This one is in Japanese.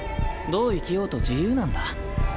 どう生きようと自由なんだ。